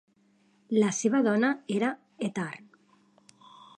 La seva dona era Etar.